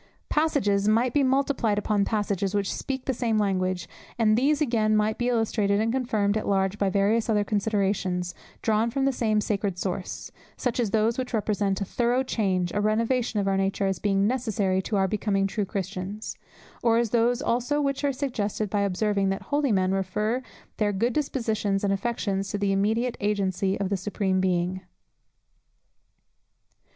Passages might be multiplied upon passages, which speak the same language, and these again might be illustrated and confirmed at large by various other considerations, drawn from the same sacred source; such as those which represent a thorough change, a renovation of our nature, as being necessary to our becoming true Christians; or as those also which are suggested by observing that holy men refer their good dispositions and affections to the immediate agency of the Supreme Being.